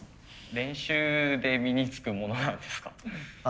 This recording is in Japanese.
練習で身につくものなんですか？